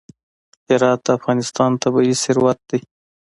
هرات د افغانستان طبعي ثروت دی.